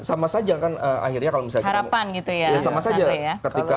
empat tahun menanti